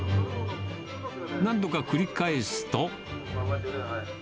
何度か繰り返すと。